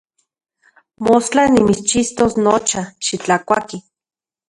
Mostla nimitschixtos nocha, xitlakuaki.